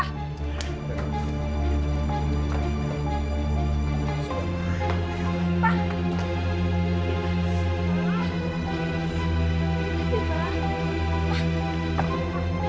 harga anaknya lebih cepat